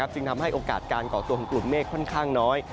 จึงทำให้โอกาสการก่อตัวของกลุ่มเมฆค่อนข้างน้อย